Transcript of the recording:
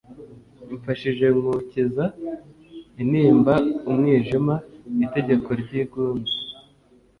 mfashije kunkiza intimba umwijima, itegeko ryigunze,